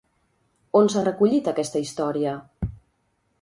On s'ha recollit aquesta història?